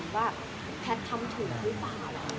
ว่าแพทย์ทำถึงหรือเปล่า